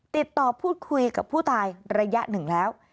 ติดต่อพูดคุยกับผู้ตายระยะหนึ่งแล้ว